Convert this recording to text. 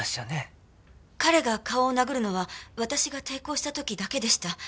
彼が顔を殴るのは私が抵抗した時だけでした。